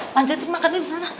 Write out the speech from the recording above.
lanjutin makan di sana